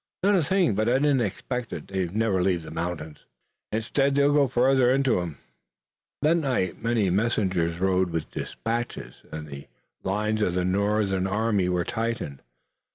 "Not a thing. But I didn't expect it. They'd never leave the mountains. Instead they'll go farther into 'em." That night many messengers rode with dispatches, and the lines of the Northern army were tightened.